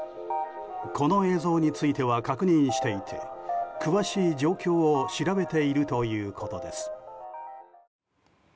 この映像については確認していて詳しい状況を調べているということです。